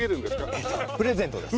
えーとプレゼントです。